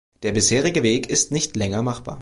Der bisherige Weg ist nicht länger machbar.